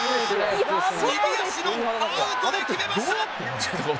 右足のアウトで決めました！